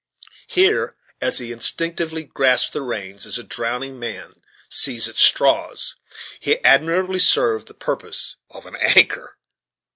Here, as he instinctively grasped the reins, as drowning men seize at straws, he admirably served the purpose of an anchor.